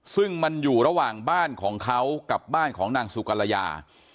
ซึ่งมันอยู่ระหว่างบ้านของเขากับบ้านของนางสุกรยา